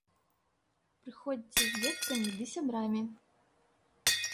Прыходзьце з дзеткамі ды сябрамі!